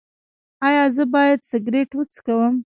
ایا زه باید سګرټ وڅکوم؟